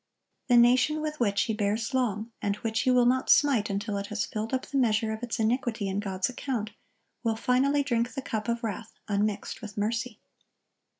The nation with which He bears long, and which He will not smite until it has filled up the measure of its iniquity in God's account, will finally drink the cup of wrath unmixed with mercy.